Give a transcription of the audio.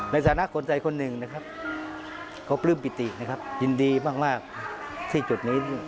ในสถานะคนสัยคนหนึ่งเขาปลื้มปิติยินดีมากที่จุดนี้